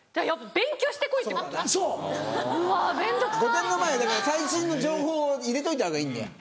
『御殿‼』の前はだから最新の情報を入れといたほうがいいんだよ。